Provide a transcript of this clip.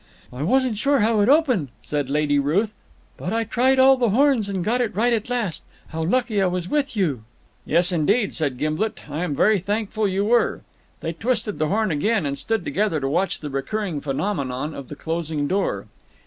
"I wasn't sure how it opened," said Lady Ruth, "but I tried all the horns and got it right at last. How lucky I was with you!" "Yes, indeed," said Gimblet. "I am very thankful you were." They twisted the horn again, and stood together to watch the recurring phenomenon of the closing door.